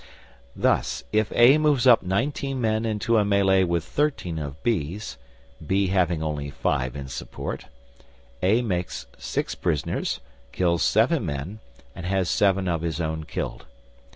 Thus if A moves up nineteen men into a melee with thirteen of B's B having only five in support A makes six prisoners, kills seven men, and has seven of his own killed.